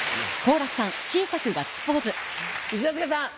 一之輔さん。